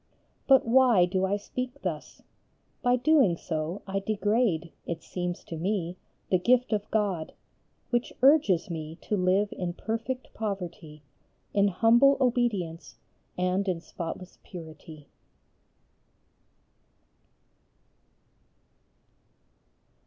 But why do I speak thus? By doing so I degrade, it seems to me, the gift of God which urges me to live in perfect poverty, in humble obedience, and in spotless purity.